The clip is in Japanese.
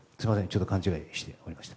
ちょっと勘違いしておりました。